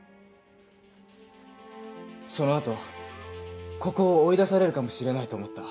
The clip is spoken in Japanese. その後ここを追い出されるかもしれないと思った。